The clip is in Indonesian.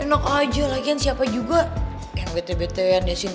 eh enak aja lagian siapa juga yang bete betean ya cindy